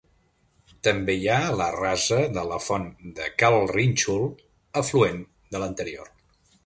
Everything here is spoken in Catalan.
També hi ha la Rasa de la Font de Cal Rínxol, afluent de l'anterior.